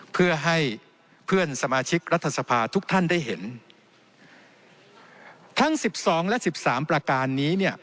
เพื่อให้เพื่อนสมาชิกรัฐสภาทุกท่านได้เห็นทั้งสิบสองและสิบสามประการนี้เนี่ย